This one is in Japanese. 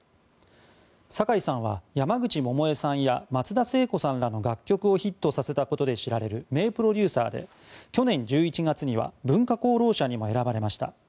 酒井さんは山口百恵さんや松田聖子さんらの楽曲をヒットさせたことで知られる名プロデューサーで去年１１月には文化功労者にも選ばれました。